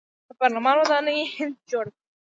د پارلمان ودانۍ هند جوړه کړه.